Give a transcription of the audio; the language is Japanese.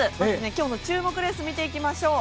今日の注目レースを見ていきましょう。